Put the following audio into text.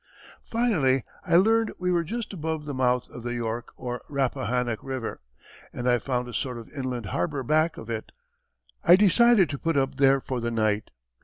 Finally I learned we were just above the mouth of the York or Rappahannock River and I found a sort of inland harbour back of it. I decided to put up there for the night.